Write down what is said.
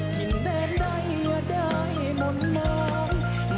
ตกทิ้งแดนใดได้มองมอง